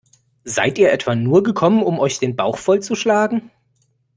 Seid ihr etwa nur gekommen, um euch den Bauch vollzuschlagen?